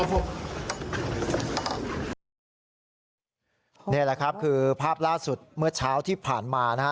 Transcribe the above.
นี่แหละครับคือภาพล่าสุดเมื่อเช้าที่ผ่านมานะฮะ